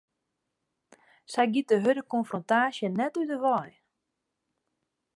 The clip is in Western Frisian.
Sy giet de hurde konfrontaasje net út 'e wei.